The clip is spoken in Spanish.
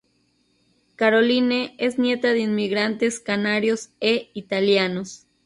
Caroline es nieta de inmigrantes canarios e italianos.